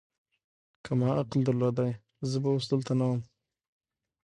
که ما عقل درلودای، زه به اوس دلته نه ووم.